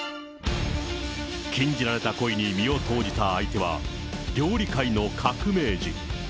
禁じられた恋に身を投じた相手は料理界の革命児。